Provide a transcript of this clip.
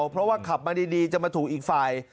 เพราะว่าขับมาดีจะมาถูกอีกฝ่าย